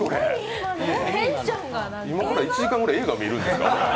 今から１時間くらい映画見るんですか？